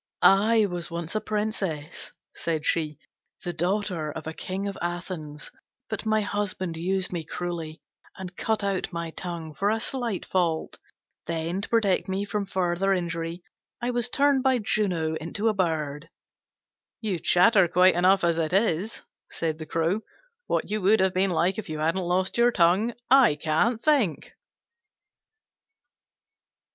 "I was once a princess," said she, "the daughter of a King of Athens, but my husband used me cruelly, and cut out my tongue for a slight fault. Then, to protect me from further injury, I was turned by Juno into a bird." "You chatter quite enough as it is," said the Crow. "What you would have been like if you hadn't lost your tongue, I can't think."